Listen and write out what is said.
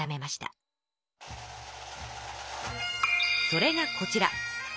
それがこちら。